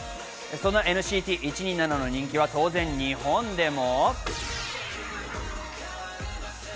そのＮＣＴ１２７の人気は当然、日本でも。